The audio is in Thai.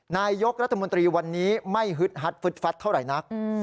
นายกรัฐมนตรีวันนี้ไม่ฮึดฮัดฟึดฟัดเท่าไหร่นัก